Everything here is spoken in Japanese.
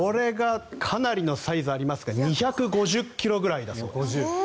かなりのサイズがありますが２５０ｋｇくらいだそうです。